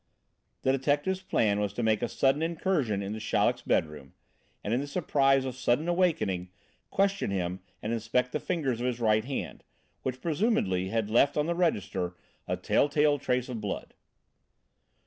The detective's plan was to make a sudden incursion into Chaleck's bedroom, and in the surprise of a sudden awakening, question him and inspect the fingers of his right hand, which, presumably, had left on the register a tell tale trace of blood.